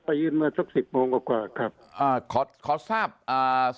เมื่อสักสิบโมงกว่ากว่าครับอ่าขอขอทราบอ่า